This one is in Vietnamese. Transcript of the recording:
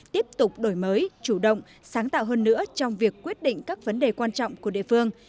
tiếp tục đổi mới chủ động sáng tạo hơn nữa trong việc quyết định các vấn đề quan trọng của địa phương